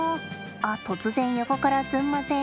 あっ突然横から、すんません。